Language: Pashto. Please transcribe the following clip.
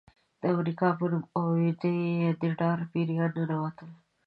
د امریکا په نوم اورېدو یې د ډار پیریان ننوتل.